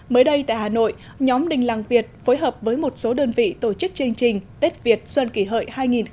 mới đây tại hà nội nhóm đình làng việt phối hợp với một số đơn vị tổ chức chương trình tết việt xuân kỷ hợi hai nghìn một mươi chín